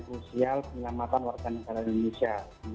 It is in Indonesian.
krusial penyelamatan warga negara indonesia